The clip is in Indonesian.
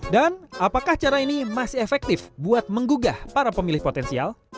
apakah cara ini masih efektif buat menggugah para pemilih potensial